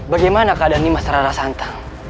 bagaimana keadaan nimas rara santang